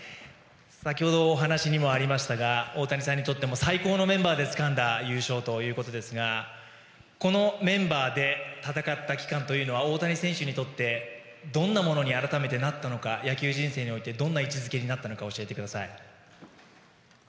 先ほどお話にもありましたが大谷さんにとっても最高のメンバーでつかんだ優勝ということですがこのメンバーで戦った期間というのは大谷選手にとってどんなものに改めてなったのか野球人生においてどんな位置づけになったのか教えてください。